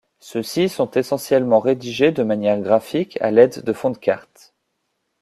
Ceux-ci sont essentiellement rédigés de manière graphique, à l'aide de fonds de cartes.